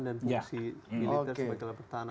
dan fungsi militer sebagai jalan pertahanan